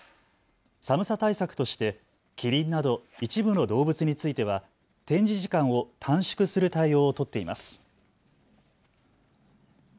寒さ対策としてキリンなど一部の動物については展示時間を短縮する対応を取っています。